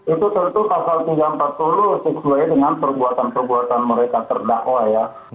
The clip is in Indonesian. itu tentu pasal tiga ratus empat puluh sesuai dengan perbuatan perbuatan mereka terdakwa ya